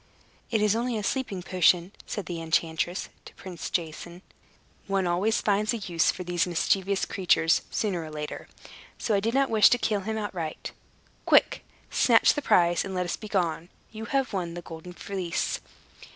"It is only a sleeping potion," said the enchantress to Prince Jason. "One always finds a use for these mischievous creatures, sooner or later; so I did not wish to kill him outright. Quick! Snatch the prize, and let us begone. You have won the Golden Fleece."